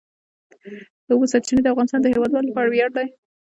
د اوبو سرچینې د افغانستان د هیوادوالو لپاره ویاړ دی.